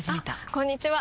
あこんにちは！